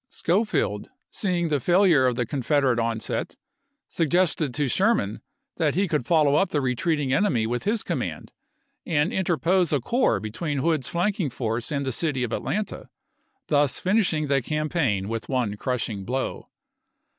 Schofield, see ing the failure of the Confederate onset, sug gested to Sherman that he could follow up the retreating enemy with his command, and inter Vol. IX.— 18 274 ABKAHAM LINCOLN chap. xii. pose a corps between Hood's flanking force and the city of Atlanta, thus finishing the campaign by one crushing blow.